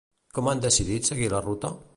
Com han decidit seguir la ruta?